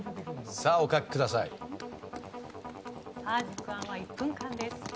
さあ時間は１分間です。